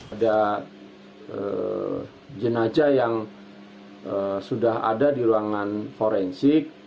ada jenazah yang sudah ada di ruangan forensik